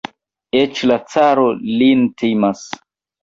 Eĉ la caro lin timas.